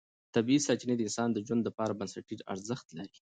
طبیعي سرچینې د انسان د ژوند لپاره بنسټیز ارزښت لري